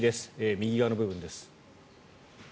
右側の部分です。